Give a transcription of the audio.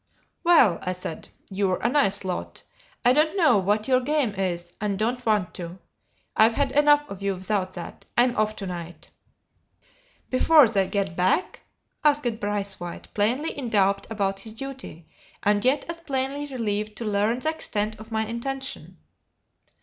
"Well," I said, "you're a nice lot! I don't know what your game is, and don't want to. I've had enough of you without that. I'm off to night." "Before they get back?" asked Braithwaite, plainly in doubt about his duty, and yet as plainly relieved to learn the extent of my intention.